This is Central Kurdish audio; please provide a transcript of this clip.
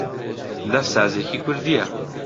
دەف سازێکی کوردییە